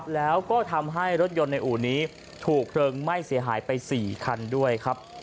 แล้วก็ทำให้รถยนต์ในอู่นี้ถูกเพลิงไหม้เสียหายไป๔คันด้วยครับ